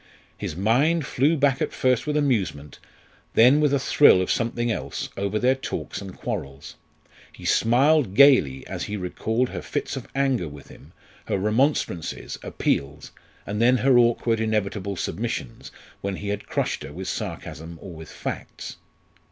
His mind flew back at first with amusement, then with a thrill of something else, over their talks and quarrels. He smiled gaily as he recalled her fits of anger with him, her remonstrances, appeals and then her awkward inevitable submissions when he had crushed her with sarcasm or with facts.